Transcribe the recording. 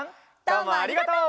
どうもありがとう！